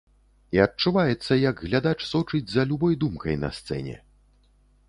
І адчуваецца, як глядач сочыць за любой думкай на сцэне.